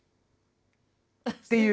っていう。